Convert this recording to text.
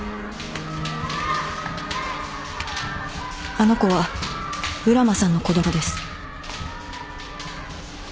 ・あの子は浦真さんの子供です。